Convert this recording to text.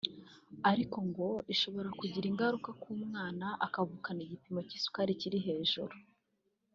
ariko ngo ishobora kugira ingaruka ku mwana akavukana igipimo cy’isukari kiri hejuru